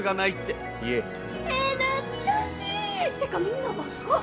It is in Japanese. え懐かしい！ってかみんな若っ！